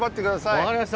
分かりました。